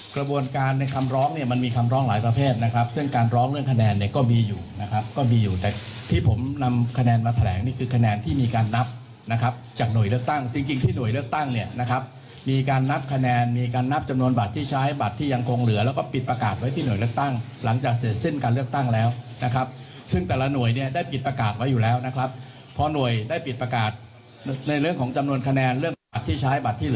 กระบวนการในคำร้องเนี่ยมันมีคำร้องหลายประเภทนะครับซึ่งการร้องเรื่องคะแนนเนี่ยก็มีอยู่นะครับก็มีอยู่แต่ที่ผมนำคะแนนมาแถลงนี่คือคะแนนที่มีการนับนะครับจากหน่วยเลือกตั้งจริงจริงที่หน่วยเลือกตั้งเนี่ยนะครับมีการนับคะแนนมีการนับจำนวนบัตรที่ใช้บัตรที่ยังคงเหลือแล้วก็ปิดประกาศไว้ที่หน่วยเลือกตั้